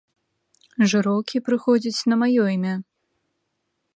Жыроўкі прыходзяць на маё імя.